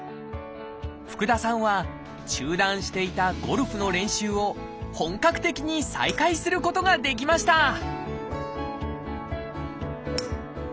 福田さんは中断していたゴルフの練習を本格的に再開することができました！